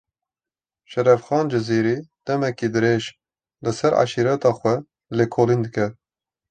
Şerefxan Cizîrî, demeke dirêj, li ser eşîreta xwe lêkolîn dike